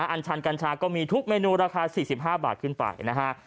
อันชันกัญชาก็มีทุกเมนูราคา๔๕บาทขึ้นไปนะฮะ